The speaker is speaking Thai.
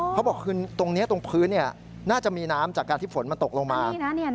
เขาบอกคือตรงนี้ตรงพื้นน่าจะมีน้ำจากการที่ฝนมันตกลงมา